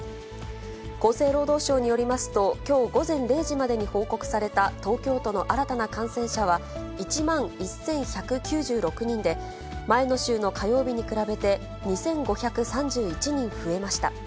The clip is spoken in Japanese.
厚生労働省によりますと、きょう午前０時までに報告された東京都の新たな感染者は１万１１９６人で、前の週の火曜日に比べて、２５３１人増えました。